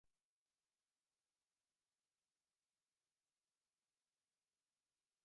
Las paredes interiores son irregulares, con bases incisas en algunos lugares.